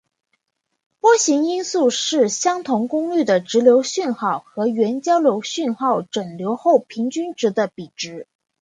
波形因数是相同功率的直流讯号和原交流讯号整流后平均值的比值。